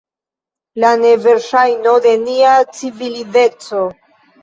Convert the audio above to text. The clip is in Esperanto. La neverŝajno de nia civilizeco.